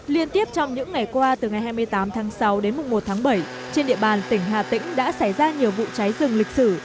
liên tiếp trong những ngày qua từ ngày hai mươi tám tháng sáu đến một tháng bảy trên địa bàn tỉnh hà tĩnh đã xảy ra nhiều vụ cháy rừng lịch sử